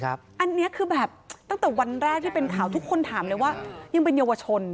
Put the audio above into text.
อันนี้คือแบบตั้งแต่วันแรกที่เป็นข่าวทุกคนถามเลยว่ายังเป็นเยาวชน